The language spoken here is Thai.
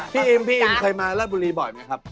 พี่อินส์ใครมาราชบุรีบ่อยไหมครับ